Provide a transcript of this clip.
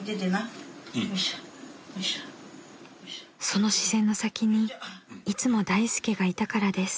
［その視線の先にいつも大助がいたからです］